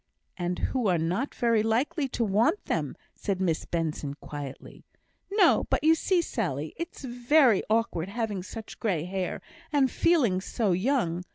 "And who are not very likely to want them," said Miss Benson, quietly. "No! but you see, Sally, it's very awkward having such grey hair, and feeling so young.